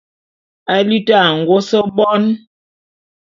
À liti angôs bone.